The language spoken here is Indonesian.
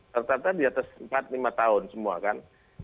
ternyata diatas empat lima tahun semua kan